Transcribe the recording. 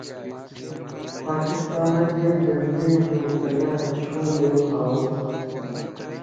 پاڪستان جي جنڊي جو ڪلر اڇو ٻيو سائو ا